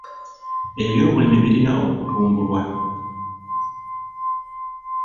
Eby'obulimi birina okutumbulwa.